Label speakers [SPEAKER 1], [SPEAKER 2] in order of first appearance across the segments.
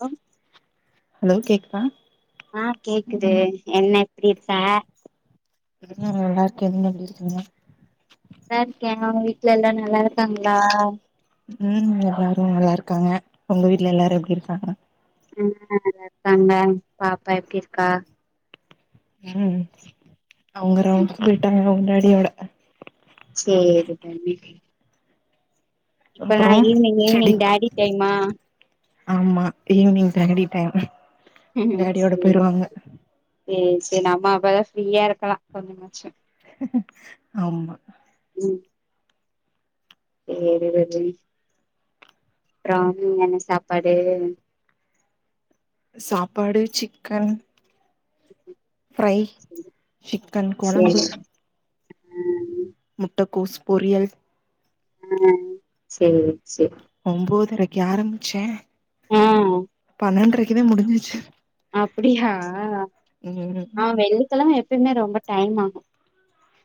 [SPEAKER 1] அ
[SPEAKER 2] hello கேக்குதா
[SPEAKER 1] ஆ கேக்குது என்ன எப்டிருக்க
[SPEAKER 2] ம் நல்லாருக்கே நீங்க எப்டிருக்கீங்க
[SPEAKER 1] நல்லாருக்கே ஒங்க வீட்ல எல்லா நல்லாருக்காங்களா
[SPEAKER 2] ம் எல்லாரு நல்லாருக்காங்க ஒங்க வீட்டுல எல்லாரு எப்டி இருக்காங்க
[SPEAKER 1] ம் நல்லாருக்காங்க பாப்பா எப்டிருக்கா
[SPEAKER 2] ம் அவுங்க ரவுண்ட் போயிட்டாங்க அவுங்க டாடியோட
[SPEAKER 1] சேரிங்க தம்பி இப்ப நா
[SPEAKER 2] அப்புறோ
[SPEAKER 1] ஈவினிங் ஈவினிங்
[SPEAKER 2] செடிக்
[SPEAKER 1] டாடி டைமா
[SPEAKER 2] ஆமா ஈவ்னிங் டாடி டைம்
[SPEAKER 1] ம்
[SPEAKER 2] டாடியோட
[SPEAKER 1] சேரி
[SPEAKER 2] போயிருவாங்க
[SPEAKER 1] சேரி சேர் நம்ம அப்பதா ஃப்ரீயா இருக்கலா கொஞ்சமாச்சு
[SPEAKER 2] ஆமா
[SPEAKER 1] ம் சேரி ரோகிணி அப்றோ அங்க என்ன சாப்பாடு
[SPEAKER 2] சாப்பாடு சிக்கன் ஃப்ரை சிக்கன்
[SPEAKER 1] சேரி
[SPEAKER 2] கொழம்பு
[SPEAKER 1] ஆ
[SPEAKER 2] முட்டக்கோஸ் பொரியல்
[SPEAKER 1] ஆ சேரி சேரி
[SPEAKER 2] ஒன்போதரைக்கு ஆரம்பிச்சே
[SPEAKER 1] ஆ
[SPEAKER 2] பன்னெண்ட்ரைக்குதா முடிஞ்சிச்சு
[SPEAKER 1] அப்டியா
[SPEAKER 2] ம்
[SPEAKER 1] ஆ வெள்ளிக்கெழம எப்பயுமே ரொம்ப டைம் ஆகு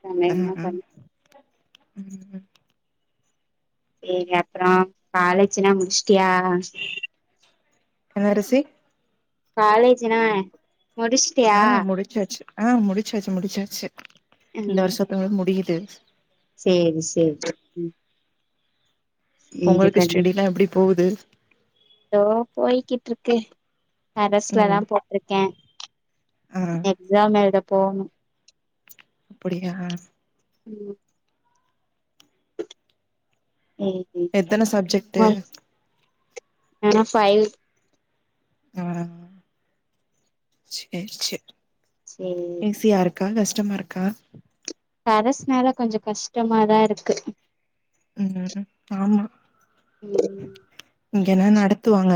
[SPEAKER 1] நம்ம
[SPEAKER 2] அ
[SPEAKER 1] என்ன
[SPEAKER 2] அ
[SPEAKER 1] பண்
[SPEAKER 2] ம்
[SPEAKER 1] சேரி அப்புறோ காலேஜுனா முடிச்சிடியா
[SPEAKER 2] என்னரிசி
[SPEAKER 1] காலேஜ்ன முடிச்சிட்யா
[SPEAKER 2] சாச்சு ஆ முடிச்சாச்சு முடிச்சாச்சு இந்த
[SPEAKER 1] ம்
[SPEAKER 2] வருஷத்தோடா முடியுது
[SPEAKER 1] சேரி சேரி ம் சேரி
[SPEAKER 2] ஒங்களுக்கு ஸ்டடிலா எப்டி போவுது
[SPEAKER 1] ஓ போய்கிட்டுருக்கு கரஸ்ல தா
[SPEAKER 2] ம்
[SPEAKER 1] போட்ருக்கே
[SPEAKER 2] ஆ
[SPEAKER 1] எக்ஸாம் எழுத போணு
[SPEAKER 2] அப்புடியா
[SPEAKER 1] ம் ம் ம்
[SPEAKER 2] எத்தன சப்ஜெக்ட்டு
[SPEAKER 1] நா ஆனா ஃபைவ்
[SPEAKER 2] ஆ சேர் சேர்
[SPEAKER 1] சேரி
[SPEAKER 2] ஈசியா இரு க்கா கஷ்டமா இருக்கா
[SPEAKER 1] கரஸ்னால கொஞ்ச கஷ்டமாதா இருக்கு
[SPEAKER 2] ம் ஆமா
[SPEAKER 1] ம்
[SPEAKER 2] இங்கன்னா நடத்துவாங்க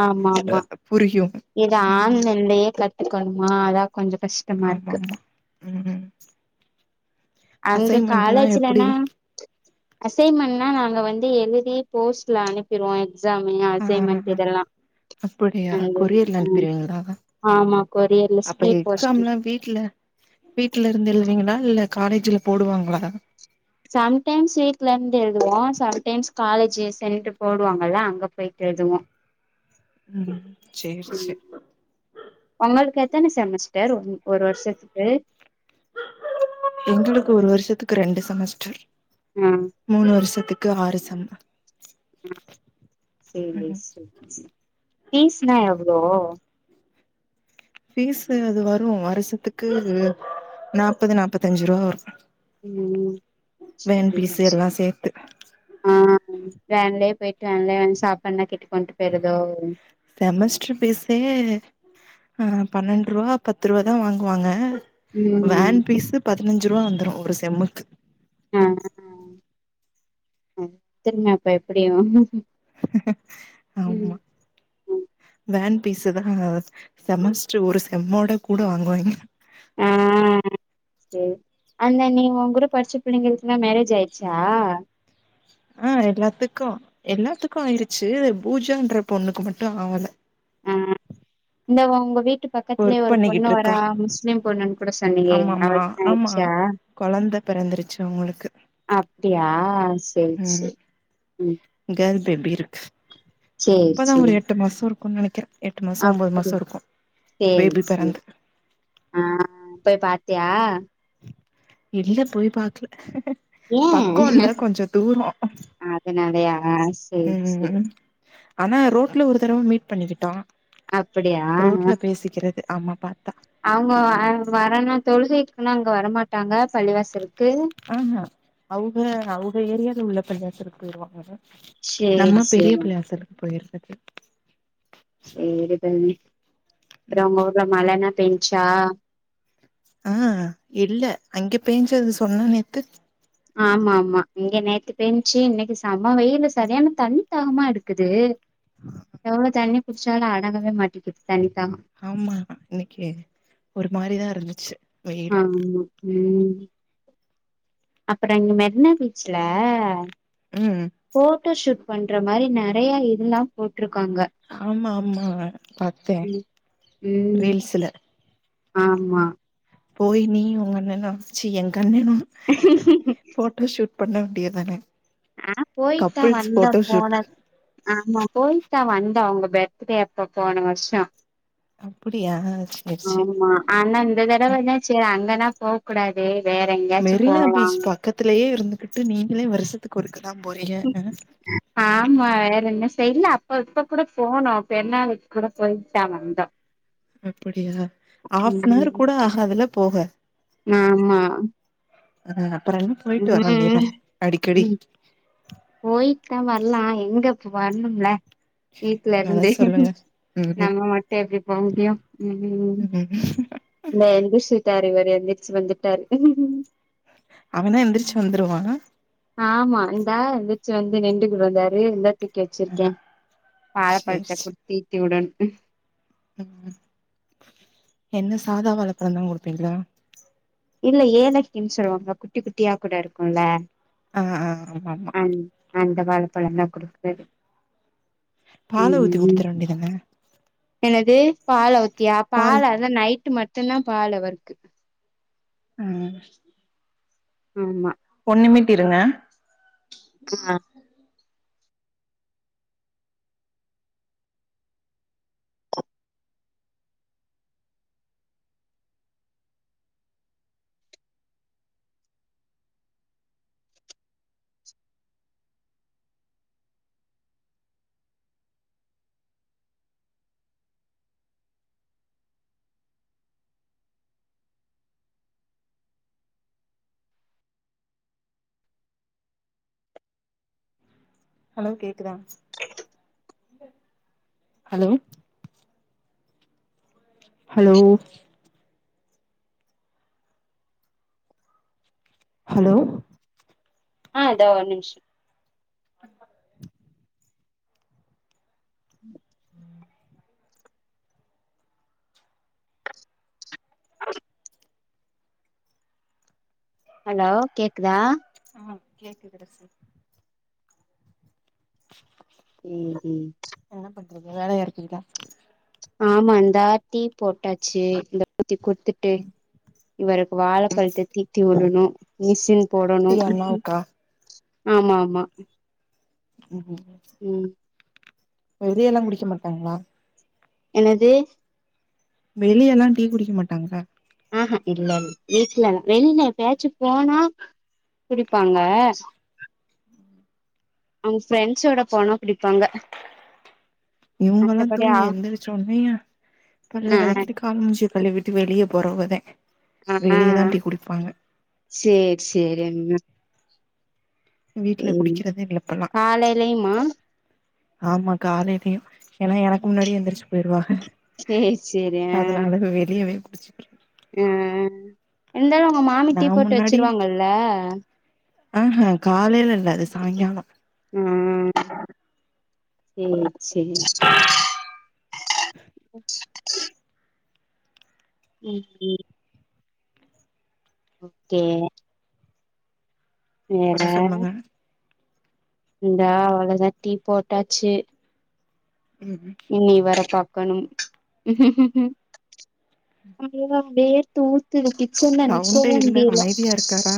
[SPEAKER 1] ஆமா ஆமா
[SPEAKER 2] புரியு
[SPEAKER 1] இத
[SPEAKER 2] ம்
[SPEAKER 1] ஆன்லைன்லயே கத்துக்கணுமா அதா கொஞ்ச கஷ்
[SPEAKER 2] ஆமா ஆமா ம்
[SPEAKER 1] அங்க
[SPEAKER 2] அசைன்மெண்ட்லா எப்டி
[SPEAKER 1] காலேஜ்லனா அசைன்மெண்ட்னா நாங்க வந்து எழுதி போஸ்ட்ல அனுப்பிடுவோ எக்ஸாமியா அசைமெண்ட் இதெல்லா
[SPEAKER 2] அப்புடியா
[SPEAKER 1] அந்த
[SPEAKER 2] கொரியர்ல
[SPEAKER 1] ம்
[SPEAKER 2] அனுப்பிருவீங்களா
[SPEAKER 1] ஆமா கொரியர்ல
[SPEAKER 2] அப்ப
[SPEAKER 1] ஸ்பீட் போஸ்ட்
[SPEAKER 2] எக்ஸாம்லா வீட்டு்ல வீட்டுல இருந்து எழுவீங்களா இல்ல காலேஜ்ல போடுவாங்களா
[SPEAKER 1] சம்டைம்ஸ் வீட்ல இருந்து எழுதுவோம் சம்டைம்ஸ் காலேஜ் சென்ட்டர் போடுவாங்கல்ல அங்க போயிட்டு எழுதுவோ
[SPEAKER 2] ம் சேர்
[SPEAKER 1] ம்
[SPEAKER 2] சேர்
[SPEAKER 1] உங்களுக்கு ஏத்தன செமஸ்டர் ஒரு வருஷத்துக்கு
[SPEAKER 2] எங்களுக்கு ஒரு வருஷத்துக்கு ரெண்டு செமஸ்டர்
[SPEAKER 1] ம்
[SPEAKER 2] மூணு வருஷத்துக்கு ஆறு செம்
[SPEAKER 1] ஆ சேரி
[SPEAKER 2] ம்
[SPEAKER 1] சேரி பீஸ்லா எவ்ளோ
[SPEAKER 2] பீஸ்ஸு அது வரும் வருஷத்துக்கு நாற்பது நாற்பத்தஞ்சு ரூபா வரு
[SPEAKER 1] ம்
[SPEAKER 2] வேன்
[SPEAKER 1] சேரி
[SPEAKER 2] பீசு எல்லாம் சேர்த்து
[SPEAKER 1] ஆ வேன்லயே போயிட்டு வேன்ல சாப்பாடுனா கட்டி கொண்டு போய்டுதோ
[SPEAKER 2] செமஸ்டர் பீசே ஆ பன்னெண்டு ரூபா பத்து ரூபா தான் வாங்குவாங்க
[SPEAKER 1] ம்
[SPEAKER 2] வேன் பீஸ்ஸு பதினஞ்சு ரூபா வந்துரும் ஒரு செம்முக்கு
[SPEAKER 1] ஆ ஆ அ திரும்ப அப்போ எப்டி வருவோ
[SPEAKER 2] ஆமா வேன் பீஸ் தான் அங்க செமஸ்டர் ஒரு செம்மோட கூட வாங்குவாங்க
[SPEAKER 1] ஆ சேர் அந்த நீ உன் கூட படிச்ச பிள்ளைங்களுக்கெல்லாம் மேரேஜ் ஆய்டுச்சா
[SPEAKER 2] ஆ எல்லாத்துக்கும் எல்லாத்துக்கும் ஆய்டுச்சு பூஜான்ற பொண்ணுக்கு மட்டும் ஆகல
[SPEAKER 1] ஆ இந்த உங்க வீட்டு பக் பக்கத்துலேயே
[SPEAKER 2] ஒர்க்
[SPEAKER 1] ஒரு பொண்ணு வரா
[SPEAKER 2] பண்ணிக்கிட்ருக்கா
[SPEAKER 1] முஸ்லிம் பொண்ணுன்னு கூட சொன்னீயே அவளுக்கு கல்யாணம் ஆய்டுச்சா
[SPEAKER 2] குழந்த பொறந்துருச்சு அவுங்களுக்கு
[SPEAKER 1] அப்டியா சேரி
[SPEAKER 2] ம்
[SPEAKER 1] சேரி ம்
[SPEAKER 2] கேல் பேபி இருக்கு
[SPEAKER 1] சேரி
[SPEAKER 2] அப்பதான் ஒரு
[SPEAKER 1] சேரி
[SPEAKER 2] எட் எட்டு மாசோ இருக்கும்னு நினைக்கறே எட்டு மாசோ ஒம்பது மாசோ
[SPEAKER 1] அப்டியா
[SPEAKER 2] இருக்கும்
[SPEAKER 1] சேரி
[SPEAKER 2] பேபி
[SPEAKER 1] சேரி
[SPEAKER 2] பிறந்து
[SPEAKER 1] ஆ போய் பாத்தியா
[SPEAKER 2] இல்ல போய் பாக்கல பக்கோ இல்ல கொஞ்சம் தூரம்
[SPEAKER 1] அதுனாலையா சேர் சேர்
[SPEAKER 2] ஆனா ரோட்ல ஒரு தடவ மீட் பண்ணிக்கிட்டோம்
[SPEAKER 1] அப்டியா
[SPEAKER 2] ரோட்ல பேசிக்கிறது ஆமா பார்த்தா
[SPEAKER 1] அவங்க அவங்க வராங்னா தொழுகைக்குன்னா அவுங்க வரமாட்டாங்க பள்ளிவாசலுக்கு
[SPEAKER 2] ஆஹா அவுங்க அவுக ஏரியால உள்ள பள்ளியாசலுக்கு போய்ருவாங்க
[SPEAKER 1] சேரி
[SPEAKER 2] நம்ம பெரிய
[SPEAKER 1] சேரி
[SPEAKER 2] பள்ளியாசலுக்கு போய்றது
[SPEAKER 1] சேரி தோழி அப்பறம் உங்க ஊர்ல மழன்னா பேஞ்ச்சா
[SPEAKER 2] ஆ இல்ல அங்க பேஞ்சது சொன்ன நேத்து
[SPEAKER 1] ஆமா ஆமா இங்க நேத்து பேஞ்ச்சு இன்னிக்கி செம வெயிலு சரியான தண்ணி தாகமா எடுக்குது எவ்ளோ தண்ணி குடிச்சாலும் அடங்கவே மாட்டிங்குது தண்ணி தாகம்
[SPEAKER 2] ஆமா இன்னிக்கி ஒரு மாரிதான் இருந்துச்சு வெயில்
[SPEAKER 1] ஆம்மா ம் அப்ற அங்க மெர்னா பீச்ல
[SPEAKER 2] ம்
[SPEAKER 1] போட்டோஷூட் பண்ற மாரி நெறைய இதெல்லா போட்ருக்காங்க
[SPEAKER 2] ஆமா ஆமா பாத்தேன்
[SPEAKER 1] ம் ம்
[SPEAKER 2] ரீல்ஸ்ல
[SPEAKER 1] ஆமா
[SPEAKER 2] போய் நீயும் உங்க அண்ணனு சீ எங்க அண்ணனும் போட்டோ ஷூட் பண்ண வேண்டியதானே
[SPEAKER 1] நா போயிட் தா
[SPEAKER 2] கப்புள்ஸ்
[SPEAKER 1] வந்த
[SPEAKER 2] போட்டோ
[SPEAKER 1] போன
[SPEAKER 2] ஷூட்
[SPEAKER 1] ஆமா போயிட் தா வந்தோ அவங்க பெர்த்டே அப்ப போன வர்ஷம்
[SPEAKER 2] அப்பிடியா சேர் சேர்
[SPEAKER 1] ஆமா ஆனா இந்த தடவதா சேரி அங்கன்னா போ கூடாது வேற எங்கேயாச்சு போலா
[SPEAKER 2] பக்கத்திலேயே இருந்துகிட்டு நீங்களே வருஷத்துக்கு ஒருக்காதா போறீங்க அ
[SPEAKER 1] ஆமா வேற என்ன செய் இல்ல அப்ப இப்ப கூட போனோ பெருநாளுக்கு கூட போயிட்டு தா வந்தோ
[SPEAKER 2] அப்படியா ஹாஃப்னவர்
[SPEAKER 1] ம்
[SPEAKER 2] கூட ஆகாது இல்ல போக
[SPEAKER 1] ஆமா
[SPEAKER 2] அ அப்புறோ என்ன போயிட்டு
[SPEAKER 1] ம்
[SPEAKER 2] வரவேண்டியதானே அடிக்கடி
[SPEAKER 1] போயிட் தா வர்லா எங்கப் வரணுமில்ல வீட்ல
[SPEAKER 2] அதா
[SPEAKER 1] இருந்து
[SPEAKER 2] சொல்லுங்க ம்
[SPEAKER 1] நம்ம மட்டு எப்டி போ முடியு ம் ம் இல்ல எந்திரிச்சிட்டாரு இவர் எந்திரிச்சு வந்துட்டாரு
[SPEAKER 2] அவனா எந்திரிச்சு வந்துருவா
[SPEAKER 1] ஆமா இந்தா எந்திரிச்சு வந்து நிண்டுகிடுகிடந்தாரு இந்த தூக்கி வச்சிருக்கே
[SPEAKER 2] சேரி
[SPEAKER 1] வாழபழத்த
[SPEAKER 2] சேரி
[SPEAKER 1] குடுத்து தித்தி விடனு
[SPEAKER 2] ம் என்ன சாதா வாழப்பழம் தா குடுப்பீங்ளா
[SPEAKER 1] இல்ல ஏலக்கின்னு சொல்லுவாங்க குட்டி குட்டியா கூட இருக்குல்ல
[SPEAKER 2] அ அ ஆமா ஆமா
[SPEAKER 1] அந்த வாழபழந்தா குடுக்கறது
[SPEAKER 2] பால ஊத்தி குடுத்துர வேண்டியதான
[SPEAKER 1] என்னது பால ஊத்தியா
[SPEAKER 2] பால்
[SPEAKER 1] பால அத்தா நைட்டு மட்டுந்தா பால் அவர்க்கு
[SPEAKER 2] ம்
[SPEAKER 1] ஆமா
[SPEAKER 2] ஒன் நிமிட் இருங்க
[SPEAKER 1] ஆ
[SPEAKER 2] ஹலோ கேக்குதா இல்ல ஹலோ ஹலோ ஹலோ
[SPEAKER 1] ஆ தா ஓன் நிம்ஷோ ம் [inaudible] ஹலோ கேக்குதா
[SPEAKER 2] ஆ கேக்குது அரசு [inaudible]
[SPEAKER 1] ம் ம்
[SPEAKER 2] என்ன பண்றீங்க வேலயா இருக்கீங்ளா
[SPEAKER 1] ஆமா இந்தா டீ போட்டாச்சி இந்தா ஊத்தி குடுத்துட் டு
[SPEAKER 2] ம்
[SPEAKER 1] இவருக்கு
[SPEAKER 2] ம்
[SPEAKER 1] வாழைப்பழத்த தீத்தி உடணு மிஷின் போடணு
[SPEAKER 2] டீ அண்ணாவுக்கா
[SPEAKER 1] ஆமா ஆமா
[SPEAKER 2] ம் ம் ங்க
[SPEAKER 1] உம்
[SPEAKER 2] ஒரு இல முடிக்க மாட்டாங்ளா
[SPEAKER 1] என்னது
[SPEAKER 2] வெளியெல்லாம் டீ குடிக்க மாட்டாங்களா
[SPEAKER 1] ஆ ஆ இல்லல் வீட்ல வெளில எப்பயாச்சும் போனா குடிப்பாங்க அவுங்க ஃப்ரெண்ட்ஸ் ஓட போனா குடிப்பாங்க
[SPEAKER 2] இவங்கெல்லாம்
[SPEAKER 1] ஆ
[SPEAKER 2] தூங்கி எந்திருச்சோன்னே பல்ல
[SPEAKER 1] ஆ
[SPEAKER 2] வெளக்கிட்டு கால் மூஞ்சிய கழுவிட்டு வெளிய போறவுகதான் வெளிய தான் டீ குடிப்பாங்க
[SPEAKER 1] சேர் சேர் என்ன
[SPEAKER 2] வீட்ல குடிக்கறதே இல்ல இப்பலாம்
[SPEAKER 1] காலையிலயுமா
[SPEAKER 2] ஆமா காலையிலயும் ஏன்னா எனக்கு முன்னாடி எந்திரிச்சு போயிருவாக
[SPEAKER 1] சேரி சேரி
[SPEAKER 2] அதனால வெளியவே குடிச்சு
[SPEAKER 1] அ இருந்தாலும் உங்க மாமி
[SPEAKER 2] நா
[SPEAKER 1] டீ போட்டு வெச்சிருவாங்கல்ல
[SPEAKER 2] ஆ ஆ காலையில இல்ல அது சாய்ங்காலோம்
[SPEAKER 1] ம் சேரி சேரி ம் ம் ஒக்கே
[SPEAKER 2] அப்புறோ
[SPEAKER 1] வேற
[SPEAKER 2] சொல்லுங்க
[SPEAKER 1] இந்தா அவ்வளோதா டீ போட்டாச்சு
[SPEAKER 2] ம் ம்
[SPEAKER 1] நீ வேற பாக்கனும் அதேதான் வேர்த்து ஊத் த்துல கிச்சன்ல
[SPEAKER 2] சவுண்டே
[SPEAKER 1] நிக்கவே
[SPEAKER 2] இல்ல
[SPEAKER 1] முடியல
[SPEAKER 2] அமைதியா இருக்காரா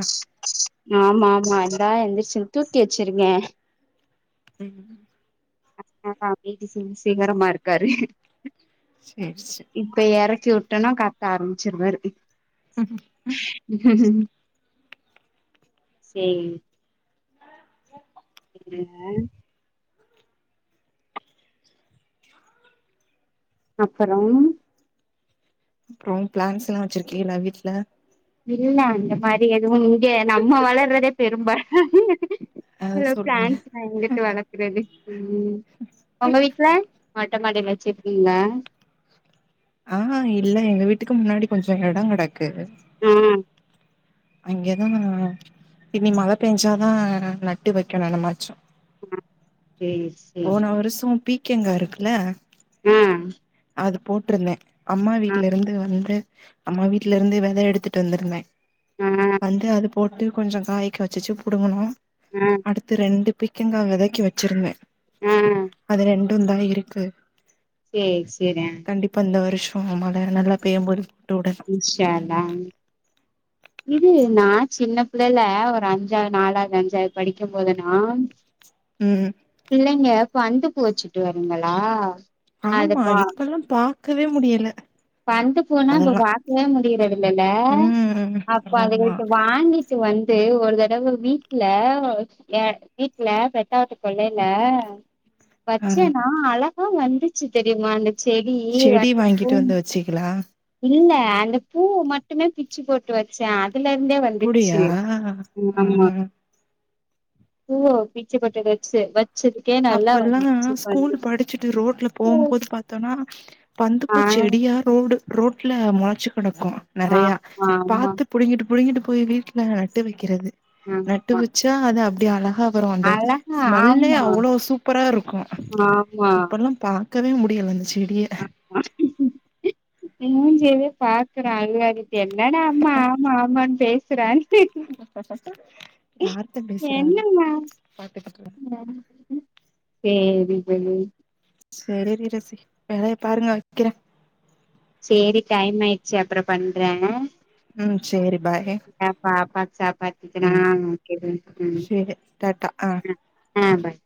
[SPEAKER 1] ஆமா ஆமால எந்திருச்சு தூக்கி வெச்சிருங்க
[SPEAKER 2] ம்
[SPEAKER 1] [unintelligible] இருக்காரு
[SPEAKER 2] சேரி சேர்
[SPEAKER 1] இப்ப இறக்கி விட்டோனா கத்த ஆரம்பிச்சிருவாரு
[SPEAKER 2] ம் ம்
[SPEAKER 1] சேரி [inaudible] அப்பறோம்
[SPEAKER 2] அப்றோம் பிளான்ஸ் எல்லாம் வெச்சிருக்கீங்களா வீட்ல
[SPEAKER 1] இல்ல அந்த மாரி எதுவும் இங்க நம்ப வளர்றதே பெரும்பாட
[SPEAKER 2] அ
[SPEAKER 1] இதுல
[SPEAKER 2] சொல்லுங்க
[SPEAKER 1] பிளான்ட்ஸ்லாம் எங்குட்டு வலக்குறது ம் உங்க வீட்ல மொட்ட மாடில வெச்சுருக்கீங்களா
[SPEAKER 2] ஆ ஆ இல்ல எங்க வீட்டுக்கு முன்னாடி கொஞ்சோம் இடோம் கெடக்கு
[SPEAKER 1] ம்
[SPEAKER 2] அங்கேதானா இனி மழ பெஞ்சாதான் நட்டு வெக்கணு என்னமாச்சும்
[SPEAKER 1] சேரி சேரி
[SPEAKER 2] போன வருஷோ பீக்கங்கா இருக்குல்ல
[SPEAKER 1] ம்
[SPEAKER 2] அது போட்டுருந்தேன் அம்மா வீட்ல இருந்து வந்து அம்மா வீட்ல இருந்து வித எடுத்துட்டு வந்திருந்தன்
[SPEAKER 1] ஆ
[SPEAKER 2] வந்து அது போட்டு கொஞ்சோம் காய்க்காச்சிசு புடுங்கணோ
[SPEAKER 1] ம்
[SPEAKER 2] அடுத்து ரெண்டு பிக்கங்கா விதைக்க வெச்சிருந்த
[SPEAKER 1] ம்
[SPEAKER 2] அது ரெண்டுந்தா இருக்கு
[SPEAKER 1] ம் செய்றே
[SPEAKER 2] கண்டிப்பா இந்த வருஷம் மழ நல்லா பேயம்போது போட்டு வுடணு
[SPEAKER 1] [unintelligible] இது நா சின்ன புள்ளைல ஒரு அஞ்சாவது நாலாவது அஞ்சாவது படிக்கும் போதுனா
[SPEAKER 2] ம்
[SPEAKER 1] பிள்ளைங்க பந்து பூச்சுட்டு வருங்களா
[SPEAKER 2] ஆமா
[SPEAKER 1] அதுபா
[SPEAKER 2] இப்பல்லா பாக்கவே முடியல
[SPEAKER 1] பந்து பூனா இப்ப
[SPEAKER 2] அதெல்லா
[SPEAKER 1] பாக்கவே முடியறதுக்
[SPEAKER 2] ம்
[SPEAKER 1] அப்போ
[SPEAKER 2] ஆமா
[SPEAKER 1] அதுகள்ட வாங்கிட்டு வந்து ஒரு தடவ வீட்ல ஏ வீட்டல பெட்டாாவட்டு கொள்ளைல
[SPEAKER 2] ஆ
[SPEAKER 1] வச்சேன்னா அழகா வந்துச்சு தெரியுமா அந்த செடி
[SPEAKER 2] செடி
[SPEAKER 1] வந்துப்போ
[SPEAKER 2] வாங்கிட்டு வந்து வச்சீகளா
[SPEAKER 1] இல்ல அந்த பூ மட்டுமே பிச்சு போட்டு வச்சே அதுல இருந்தே வந்து வந்துச்சு
[SPEAKER 2] அப்புடியா
[SPEAKER 1] ஆமா
[SPEAKER 2] ஆ
[SPEAKER 1] பூ பிச்சு பட்டு வெச்சு வச்சுது
[SPEAKER 2] அப்ப எல்லா ஸ்கூல் படிச்சுட்டு ரோட்ல போம்போது பா்த்தோனா
[SPEAKER 1] ஆ
[SPEAKER 2] பந்துப்பூ செடியா ரோடு ரோட்ல முளைச்சு கெடக்கு
[SPEAKER 1] ஆமா
[SPEAKER 2] நெறையா
[SPEAKER 1] ஆமா
[SPEAKER 2] பாத்து புடுங்கிட் புடுங்கிட் போய் வீட்ல நட்டு வெக்கிறது
[SPEAKER 1] ம்
[SPEAKER 2] புட்டு வெச்சா அது அப்டி அழகா வரு அந்த
[SPEAKER 1] அழகா
[SPEAKER 2] ஸ்மெல்லே
[SPEAKER 1] ஆமா
[SPEAKER 2] அவ்ளோ சூப்பராருக்கு
[SPEAKER 1] ஆமா
[SPEAKER 2] இப்பல்லா பாக்கவே முடில அந் செடியை
[SPEAKER 1] அ மூஞ்சியயே பாக்குறா [unintelligible] என்னடா அம்மா ஆமா ஆமான்னு பேசுறான்
[SPEAKER 2] யார்த்த பேசுறாங்
[SPEAKER 1] என்னம்மா
[SPEAKER 2] பாட்டுக்கட்டு
[SPEAKER 1] சேரி [unintelligible]
[SPEAKER 2] சேரி [unintelligible] வேலைய பாருங்க வைக்கறே
[SPEAKER 1] சேரி டைம் ஆயிருச்சு அப்றோ பண்றே
[SPEAKER 2] ம் சேரி பாய்
[SPEAKER 1] பாப்பாக்கு சாப்பாடு ஊட்டனா [unintelligible]
[SPEAKER 2] பேட்டா ஆஹ
[SPEAKER 1] ஆஹ பாய்